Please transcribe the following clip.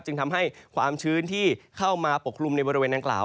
จึงทำให้ความชื้นที่เข้ามาปกคลุมในบริเวณดังกล่าว